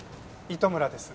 糸村です。